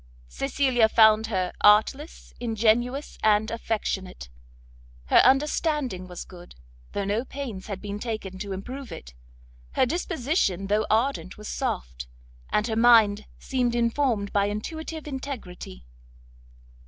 Cecilia found her artless, ingenuous, and affectionate; her understanding was good, though no pains had been taken to improve it; her disposition though ardent was soft, and her mind seemed informed by intuitive integrity.